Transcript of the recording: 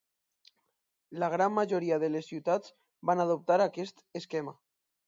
La gran majoria de les ciutats van adoptar aquest esquema.